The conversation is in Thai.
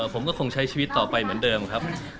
ผมก็คงใช้ชีวิตต่อไปเหมือนเดิมครับ